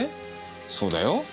そうだよ。